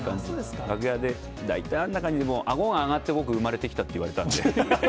楽屋で、大体あんな感じで、あごが上がって僕産まれてきたって言われたんで。